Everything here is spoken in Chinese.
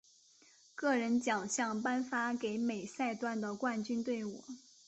个人奖项颁发给每赛段的冠军队伍。